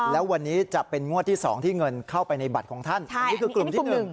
แล้ววันนี้จะเป็นงวดที่๒ที่เงินเข้าไปในบัตรของท่านอันนี้คือกลุ่มที่๑